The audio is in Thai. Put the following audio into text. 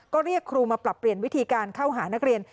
ก็เรียกครูมาปรับเปลี่ยนวิธีการเข้าหานักเรียน